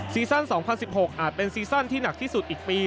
ซั่น๒๐๑๖อาจเป็นซีซั่นที่หนักที่สุดอีกปี